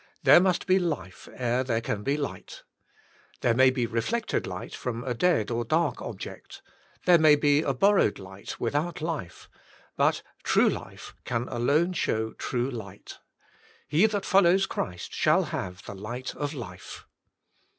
There must be life ere there can be light. There may be reflected light from a dead or dark 91 92 The Inner Chamber object. There may be a borrowed light without life. But true life can alone show true light. He that follows Christ shall have the light of life.